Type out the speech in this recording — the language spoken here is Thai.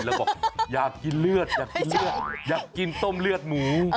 แล้วบอกอยากกินเลือดอยากกินเลือดอยากกินต้มเลือดหมู